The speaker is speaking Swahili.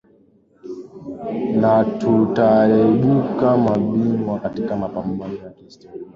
na tutaibuka mabingwa katika mapambano haya ya kihistoria